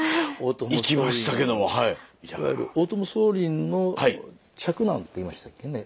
大友宗麟の嫡男って言いましたっけね？